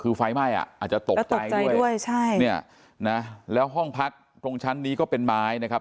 คือไฟไหม้อ่ะอาจจะตกใจด้วยใช่เนี่ยนะแล้วห้องพักตรงชั้นนี้ก็เป็นไม้นะครับ